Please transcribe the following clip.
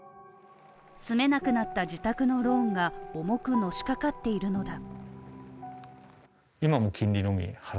住めなくなった自宅のローンが重くのしかかっているのだ。